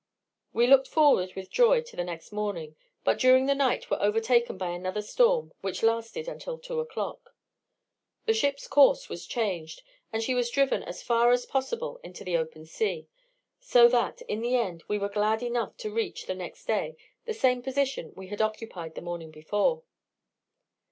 We looked forward with joy to the next morning, but during the night were overtaken by another storm, which lasted until 2 o'clock. The ship's course was changed, and she was driven as far as possible into the open sea; so that, in the end, we were glad enough to reach, the next day, the same position we had occupied the morning before.